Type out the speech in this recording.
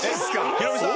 ヒロミさん。